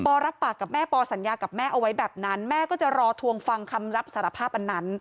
รับปากกับแม่ปอสัญญากับแม่เอาไว้แบบนั้นแม่ก็จะรอทวงฟังคำรับสารภาพอันนั้น